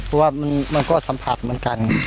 เพราะว่ามันก็สัมผัสเหมือนกัน